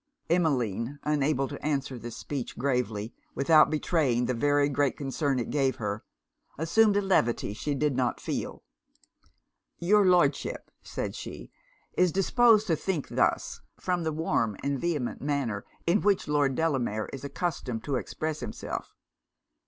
Emmeline, unable to answer this speech gravely, without betraying the very great concern it gave her, assumed a levity she did not feel. 'Your Lordship,' said she, 'is disposed to think thus, from the warm and vehement manner in which Lord Delamere is accustomed to express himself.